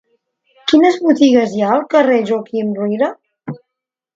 Quines botigues hi ha al carrer de Joaquim Ruyra?